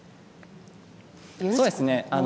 そうですね。